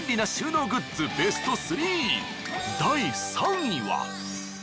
第３位は。